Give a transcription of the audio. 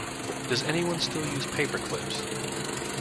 Does anyone still use paper clips?